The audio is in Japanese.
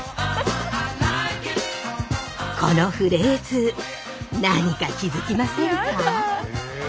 このフレーズ何か気付きませんか？